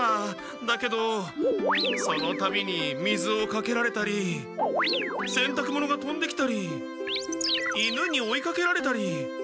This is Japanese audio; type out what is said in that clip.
だけどそのたびに水をかけられたりせんたく物がとんできたり犬に追いかけられたり。